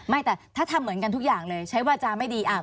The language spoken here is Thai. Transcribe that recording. ไม่แต่ถ้าทำเหมือนกันทุกอย่างเลยใช้วาจาไม่ดี